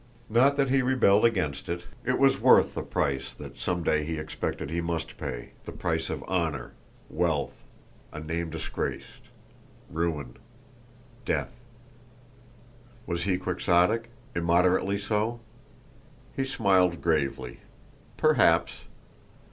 Not that he rebelled against it; it was worth the price that some day he expected he must pay the price of honour, wealth, a name disgraced, ruin, death. Was he quixotic? Immoderately so? He smiled gravely. Perhaps.